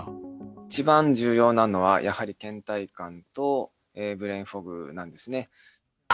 一番重要なのは、やはりけん怠感とブレーンフォグなんですね。